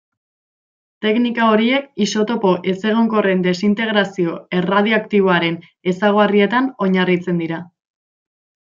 Teknika horiek isotopo ezegonkorren desintegrazio erradioaktiboaren ezaugarrietan oinarritzen dira.